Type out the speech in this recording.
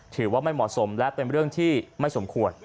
ถือว่าไม่เหมาะสมและเป็นเรื่องที่ไม่สมควร